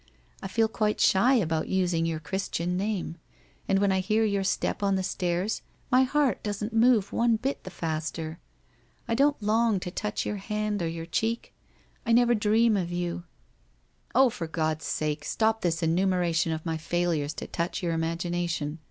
I feel quite shy about us ing your Christian name, and when I hear your step on the stairs my heart doesn't move one bit the faster. I don't long to touch your hand or your cheek. I never dream of you ' 304 WHITE ROSE OF WEARY LEAF ' Oh, for God's sake, stop this enumeration of my fail ures to touch your imagination